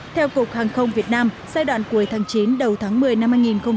theo cục hàng không việt nam giai đoạn cuối tháng chín đầu tháng một mươi năm hai nghìn hai mươi